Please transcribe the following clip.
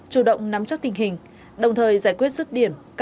chủ động nắm chắc tình hình đồng thời giải quyết rứt điểm